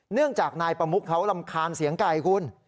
เนื่องจากนายประมุกเขารำคาญเสียงไก่คุณ